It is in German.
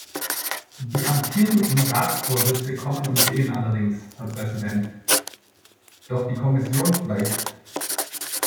Die amtierenden Ratsvorsitze kommen und gehen allerdings, Herr Präsident, doch die Kommission bleibt.